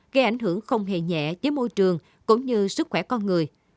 gây ảnh hưởng không hề nhẹ tới môi trường cũng như sức khỏe con người